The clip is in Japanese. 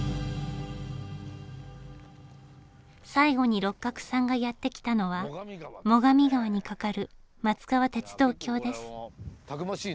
最後に六角さんがやってきたのは最上川に架かる松川鉄道橋です。